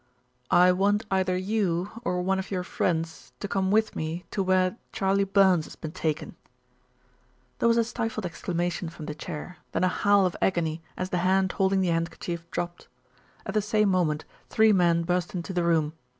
"I want either you, or one of your friends, to come with me to where Charley Burns has been taken." There was a stifled exclamation from the chair, then a howl of agony as the hand holding the handkerchief dropped. At the same moment three men burst into the room.